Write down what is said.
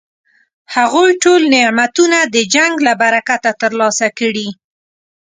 هغوی ټول نعمتونه د جنګ له برکته ترلاسه کړي.